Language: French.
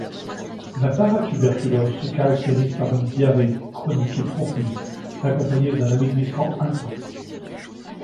La paratuberculose se caractérise par une diarrhée chronique et profuse, accompagnée d’un amaigrissement intense.